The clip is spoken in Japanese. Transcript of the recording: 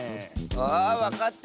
あわかった。